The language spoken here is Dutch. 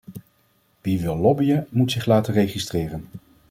Wie wil lobbyen moet zich laten registreren.